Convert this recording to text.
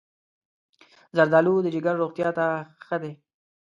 زردالو د جگر روغتیا ته ښه ده.